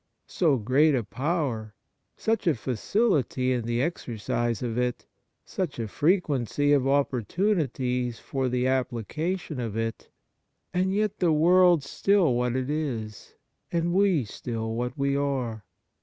So great a power, such a facility in the exercise of it, such a frequency of oppor tunities for the application of it, and yet the world still what it is, and we still what we are